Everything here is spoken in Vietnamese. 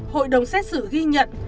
hội đồng xét xử ghi nhận